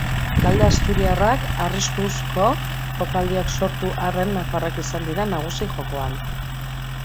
Talde asturiarrak arriskuzko jokaldiak sortu arren, nafarrak izan dira nagusi jokoan.